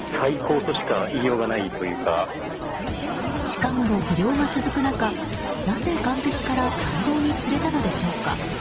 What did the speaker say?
近ごろ、不漁が続く中なぜ岸壁から大量に釣れたのでしょうか。